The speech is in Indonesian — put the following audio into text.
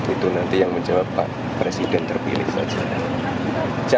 itu nanti yang menjawab pak presiden terpilih saja